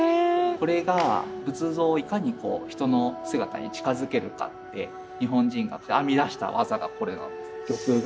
これが仏像をいかに人の姿に近づけるかって日本人が編み出した技がこれなんです。